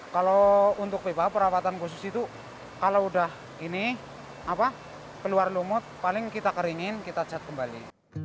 kalau untuk pipa perawatan khusus itu kalau udah ini keluar lumut paling kita keringin kita cat kembali